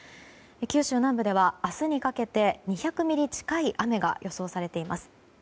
九州南部では明日にかけて２００ミリ近い雨が予想されています。